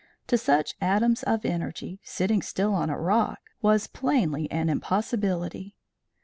To such atoms of energy, sitting still on a rock was plainly an impossibility.